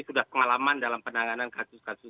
sudah pengalaman dalam penanganan kasus kasus